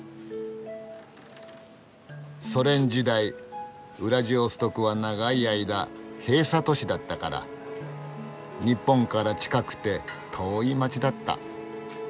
ソ連時代ウラジオストクは長い間「閉鎖都市」だったから日本から近くて遠い街だった。